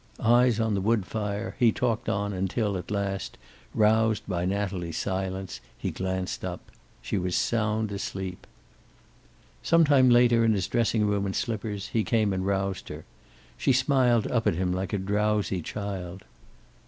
Eyes on the wood fire, he talked on until at last, roused by Natalie's silence, he glanced up. She was sound asleep. Some time later, in his dressing gown and slippers, he came and roused her. She smiled up at him like a drowsy child.